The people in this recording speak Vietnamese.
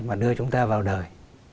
mà đưa chúng ta vào đời